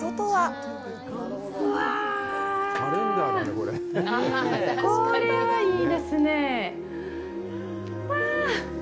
これはいいですね！